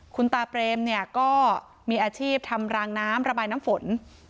คุณตาเปรมเนี่ยก็มีอาชีพทำรางน้ำระบายน้ำฝน